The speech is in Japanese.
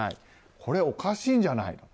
これ、おかしいんじゃないのと。